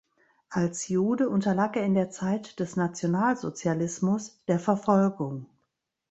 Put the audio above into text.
Als Jude unterlag er in der Zeit des Nationalsozialismus der Verfolgung.